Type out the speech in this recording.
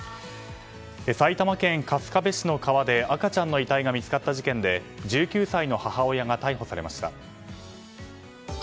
埼玉県春日部市の川で赤ちゃんの遺体が見つかった事件で１９歳の母親が逮捕されました。